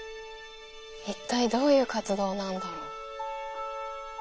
一体どういう活動なんだろう。